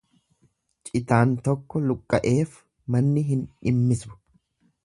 Citaan tokko luqqa'eef manni hin dhimmisu.